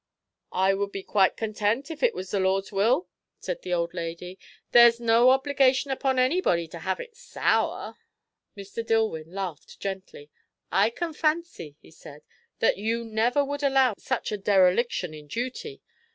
"I would be quite content, if it was the Lord's will," said the old lady. "There's no obligation upon anybody to have it sour." Mr. Dillwyn laughed gently. "I can fancy," he said, "that you never would allow such a dereliction in duty.